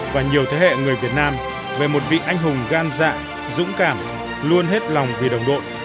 và nhiều thế hệ người việt nam về một vị anh hùng gan dạng dũng cảm luôn hết lòng vì đồng đội